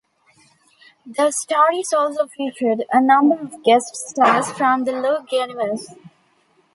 The stories also featured a number of guest-stars from the Lug universe.